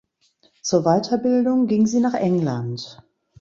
Zur Weiterbildung ging sie nach England.